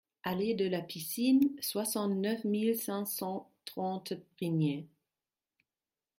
Allée de la Piscine, soixante-neuf mille cinq cent trente Brignais